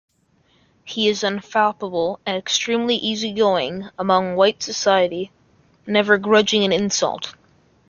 He is unflappable and extremely easy-going among white society, never grudging an insult.